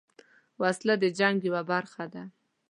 وسله د جنګ یوه برخه ده